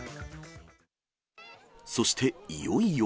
そして、いよいよ。